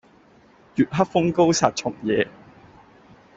月黑風高殺蟲夜